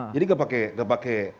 jadi gak pakai gak pakai